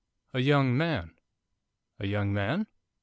'A young man.' 'A young man?